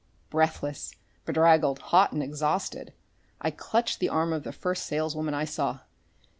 Breathless, bedraggled, hot and exhausted, I clutched the arm of the first saleswoman I saw.